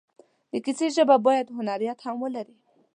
د کیسې ژبه باید هنریت هم ولري.